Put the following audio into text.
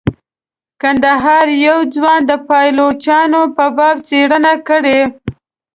کندهار یوه ځوان د پایلوچانو په باب څیړنه کړې.